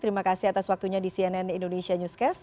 terima kasih atas waktunya di cnn indonesia newscast